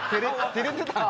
照れてたん？